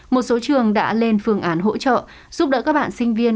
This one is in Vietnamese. một số trường đã lên phương án hỗ trợ giúp đỡ các bạn sinh viên